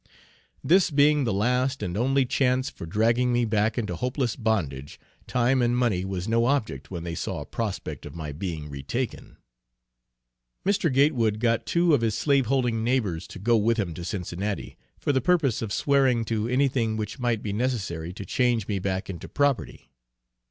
This being the last and only chance for dragging me back into hopeless bondage, time and money was no object when they saw a prospect of my being re taken. Mr. Gatewood got two of his slaveholding neighbors to go with him to Cincinnati, for the purpose of swearing to anything which might be necessary to change me back into property.